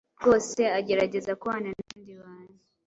Rwose agerageza kubana n’abandi bantu